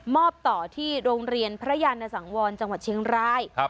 อบต่อที่โรงเรียนพระยานสังวรจังหวัดเชียงราย